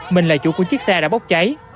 mình là chủ của chiếc xe đã bốc cháy